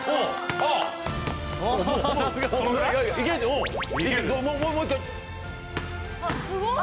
あっすごい！